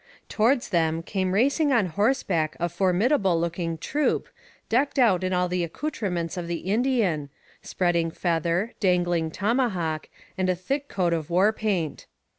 Towards them came racing on horseback a formidable looking troop, decked out in all the accoutrements of the Indian spreading feather, dangling tomahawk, and a thick coat of war paint.